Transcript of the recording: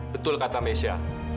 betul kata mesya